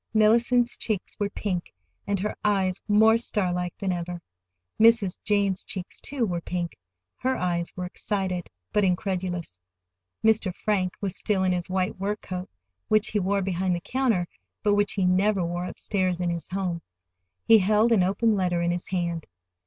Mellicent's cheeks were pink, and her eyes more starlike than ever. Mrs. Jane's cheeks, too, were pink. Her eyes were excited, but incredulous. Mr. Frank was still in his white work coat, which he wore behind the counter, but which he never wore upstairs in his home. He held an open letter in his hand.